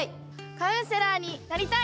カウンセラーになりたい！